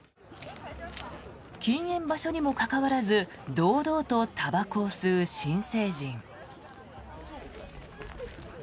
禁煙場所にもかかわらず堂々とたばこを吸う新成人。